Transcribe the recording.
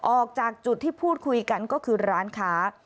ออกจากจุดที่พูดคุยกันก็คือร้านค้า